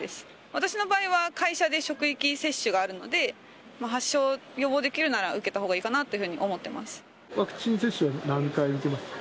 私の場合は会社で、職域接種があるので、発症を予防できるなら受けたほうがいいかなというふうに思っていワクチン接種は何回受けまし